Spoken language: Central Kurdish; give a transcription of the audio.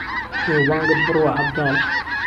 نێوبانگت بڕوا عهبداڵ